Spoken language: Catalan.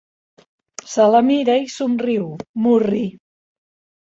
Se la mira i somriu, murri.